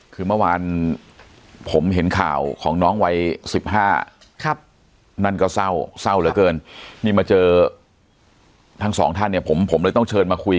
คือเมื่อวานผมเห็นข่าวของน้องวัย๑๕ครับนั่นก็เศร้าเช่ามาเจอทั้งสองท่านเนี่ยผมเลยต้องเชิญมาคุยกัน